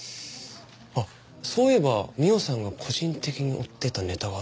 あっそういえば美緒さんが個人的に追ってたネタがあったな。